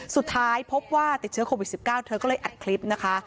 สุดท้ายพบว่าติดเชื้อโควิด๑๙เธอก็เลยอัดคลิปนะคะ